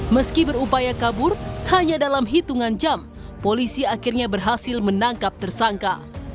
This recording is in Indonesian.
meski berupaya kabur hanya dalam hitungan jam polisi akhirnya berhasil menangkap tersangka